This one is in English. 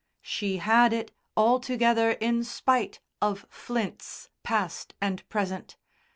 She had it altogether, in spite of Flints past and present.